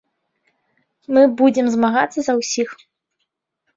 Мы будзем змагацца за ўсіх.